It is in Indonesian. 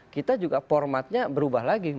kita juga formatnya berubah lagi